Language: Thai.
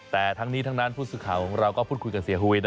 แต่ทั้งนี้ทั้งนั้นผู้สื่อข่าวของเราก็พูดคุยกับเสียหุย